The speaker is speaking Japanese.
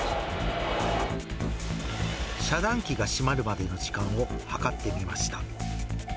遮断機が閉まるまでの時間を計ってみました。